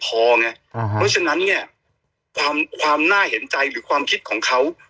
เพราะฉะนั้นเนี่ยความน่าเห็นใจหรือความคิดของเขา